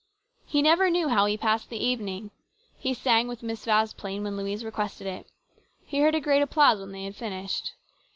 He never knew how he passed the evening. He sang with Miss Vasplaine when Louise requested it. He heard a great applause when they had finished.